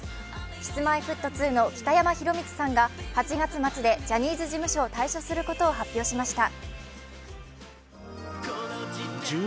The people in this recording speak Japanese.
Ｋｉｓ−Ｍｙ−Ｆｔ２の北山宏光さんが８月末でジャニーズ事務所を退所することを発表しました。